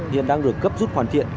hiện đang được gấp rút hoàn thiện